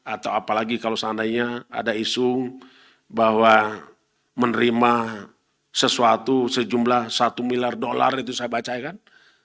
atau apalagi kalau seandainya ada isu bahwa menerima sesuatu sejumlah satu miliar dolar itu saya baca kan